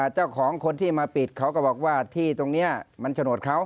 เจ้าของคนที่มาปิดเขาก็บอกว่าที่ตรงนี้มันโฉนดเขา